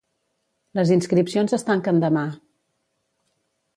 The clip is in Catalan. Les inscripcions es tanquen demà.